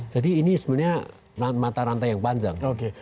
jadi ini sebenarnya mata rantai yang panjang